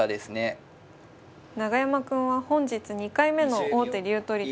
永山くんは本日２回目の王手竜取りと。